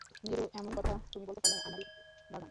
নীরু, এমন কথা তুমি বলতে পারলে, আমারই বাগান?